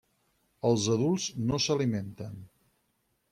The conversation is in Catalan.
Els adults no s'alimenten.